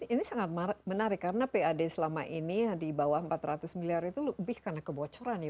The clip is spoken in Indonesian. ini sangat menarik karena pad selama ini di bawah empat ratus miliar itu lebih karena kebocoran ya